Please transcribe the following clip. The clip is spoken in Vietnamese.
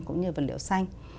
cũng như vật liệu xanh